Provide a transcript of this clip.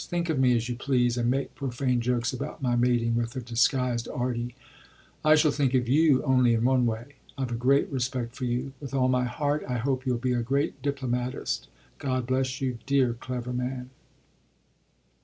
Think of me as you please and make profane jokes about my mating with a disguised 'Arty' I shall think of you only in one way. I've a great respect for you. With all my heart I hope you'll be a great diplomatist. God bless you, dear clever man."